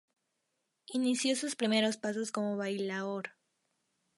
Inició sus primeros pasos como bailaor.